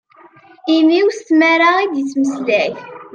Immi-w s tmara i d-yettmeslay.